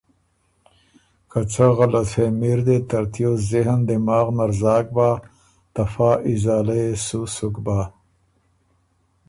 که څه غلطفهمي ر دې ترتیوس ذهن دماغ نر زاک بَۀ، ته فا ازاله يې سو سُک بَۀ۔